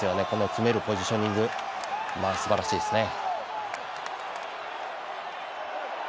詰めるポジショニングもすばらしいですね。